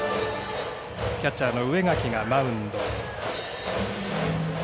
キャッチャーの植垣がマウンドへ。